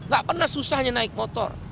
gak pernah susahnya naik motor